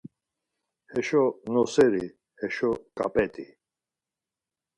Heşo noseri heşo ǩap̌et̆i.